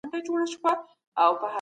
سپوږمۍ خو مياشت